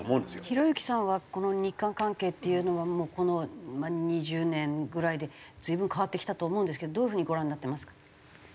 ひろゆきさんはこの日韓関係っていうのはもうこの２０年ぐらいで随分変わってきたと思うんですけどどういう風にご覧になってますか？